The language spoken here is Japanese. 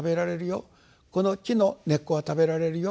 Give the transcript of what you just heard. この木の根っこは食べられるよ。